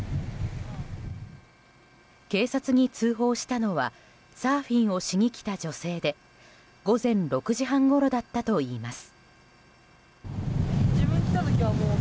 警察に通報したのはサーフィンをしに来た女性で午前６時半ごろだったといいます。